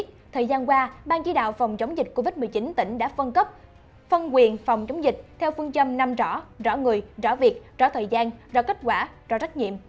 theo phương châm nằm rõ rõ người rõ việc rõ thời gian rõ kết quả rõ trách nhiệm